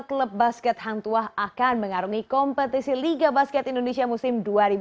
klub basket hangtua akan mengarungi kompetisi liga basket indonesia musim dua ribu sembilan belas dua ribu dua puluh